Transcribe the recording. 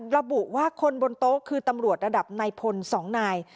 ระบุว่าคนบนโต๊ะคือตำรวจระดับนายพล๒นาย